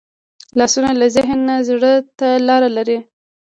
لاسونه له ذهن نه زړه ته لاره لري